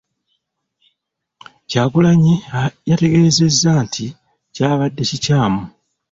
Kyagulanyi yategeezezza nti kyabadde kikyamu .